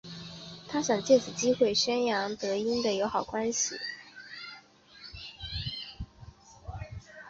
他想借此机会宣扬德英的友好关系。